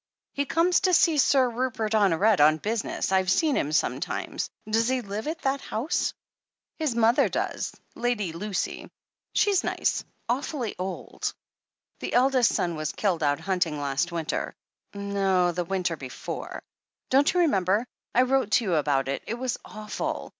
"He comes to see Sir Rupert Honoret on business. I've seen him sometimes. Does he live at that house?" "His mother does — Lady Lucy. She's nice — aw fully old. The eldest son was killed out hunting last winter — ^no, the winter before. Don't you remember? I wrote to you about it. It was awful.